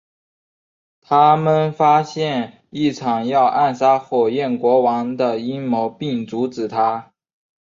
他们发现一场要暗杀火焰国王的阴谋并阻止它。